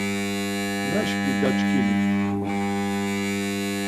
Naşkvi daçkimi !” ma.